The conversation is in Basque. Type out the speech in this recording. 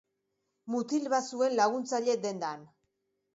Mutil bat zuen laguntzaile dendan.